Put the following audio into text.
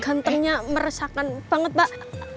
gantengnya meresahkan banget mbak